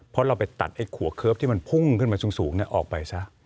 เพราะเราไปตัดไอ้ขัวเคิร์ฟที่มันพุ่งขึ้นมาสูงออกไปซะ